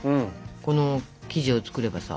この生地を作ればさ。